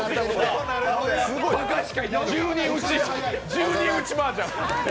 １０人打ちマージャン！